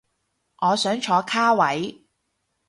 我想坐卡位